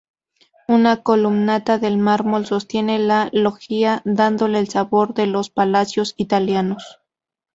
Una columnata de mármol sostiene la loggia dándole el sabor de los palacios italianos.